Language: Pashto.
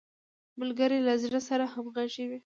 ملګری له زړه سره همږغی وي